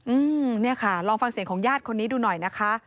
อืมเนี่ยค่ะลองฟังเสียงของญาติคนนี้ดูหน่อยนะคะ